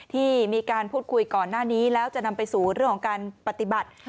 ที่มีการพูดคุยก่อนหน้านี้แล้วจะนำไปสู่เรื่องของการปฏิบัติ